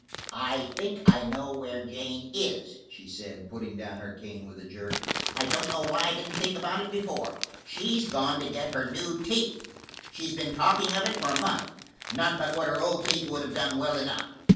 "I think I know where Jane is," she said, putting down her cane with a jerk. "I don't know why I didn't think about it before. She's gone to get her new teeth; she's been talkin' of it for a month. Not but what her old teeth would have done well enough."